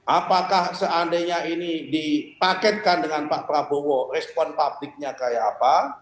apakah seandainya ini dipaketkan dengan pak prabowo respon publiknya kayak apa